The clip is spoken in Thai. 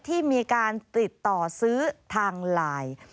ที่มีการติดต่อซื้อทางไลน์